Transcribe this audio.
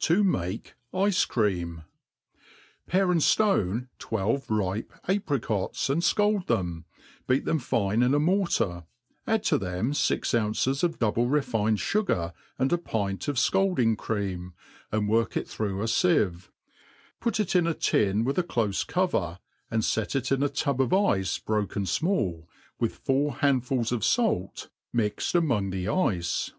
To make Ice Cream. PARE and ftone twelve ripe apricots, and fcald them, beat them fine in a mortar, add to them fix ounces of double^re fined fugar, and a pint of fcalding cream, and work it through a iieve ; put'it in a^tin with a ciofe cover, and fet it in a tub of X^t broken fmall, 'with four handfuls of fait mixed among ¥ the ^8 THE ART OF COOKERY the ice.